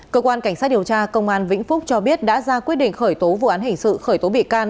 cơ quan cảnh sát điều tra công an vĩnh phúc cho biết đã ra quyết định khởi tố vụ án hình sự khởi tố bị can